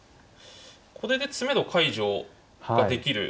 これで詰めろ解除ができる。